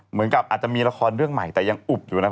เหมือนกับอาจจะมีละครเรื่องใหม่แต่ยังอุบอยู่นะ